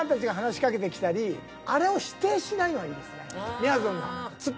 みやぞんが。